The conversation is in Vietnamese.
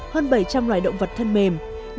hơn bảy trăm linh loài động vật thân mềm